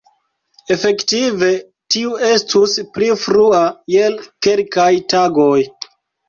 Efektive tiu estus pli frua je kelkaj tagoj.